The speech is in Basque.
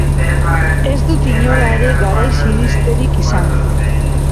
Ez dut inola ere garaiz iristerik izango.